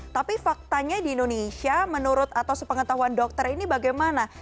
tapi faktanya di indonesia menurut atau sepengetahuan dokter ini bagaimana